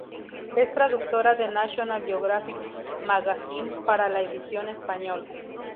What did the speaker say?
Es traductora de National Geographic Magazine para la edición español.